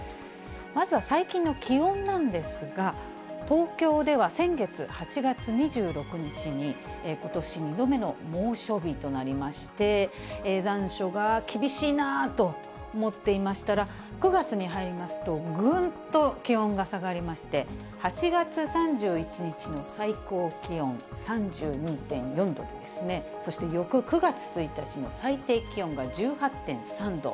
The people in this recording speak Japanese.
まずは最近の気温なんですが、東京では先月８月２６日に、ことし２度目の猛暑日となりまして、残暑が厳しいなと思っていましたら、９月に入りますと、ぐんと気温が下がりまして、８月３１日の最高気温３２．４度ですね、そして翌９月１日の最低気温が１８．３度。